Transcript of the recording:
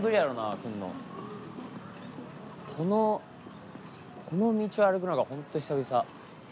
このこの道を歩くのが本当久々。